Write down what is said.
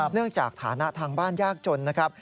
เนื่องจากฐานะทางบ้านยากจนนะครับ